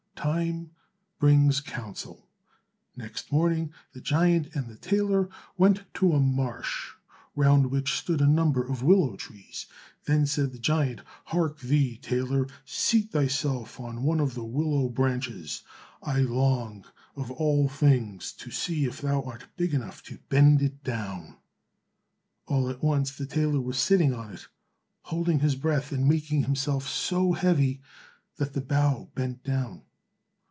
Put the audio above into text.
Time brings counsel. Next morning the giant and the tailor went to a marsh, round which stood a number of willow trees. Then said the giant, "Hark thee, tailor, seat thyself on one of the willow branches, I long of all things to see if thou art big enough to bend it down." All at once the tailor was sitting on it, holding his breath, and making himself so heavy that the bough bent down.